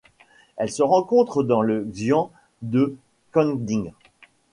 Elle se rencontre dans le xian de Kangding.